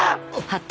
あっ！